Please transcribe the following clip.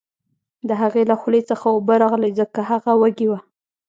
د هغې له خولې څخه اوبه راغلې ځکه هغه وږې وه